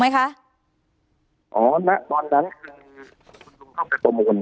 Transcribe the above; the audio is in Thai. ท่านส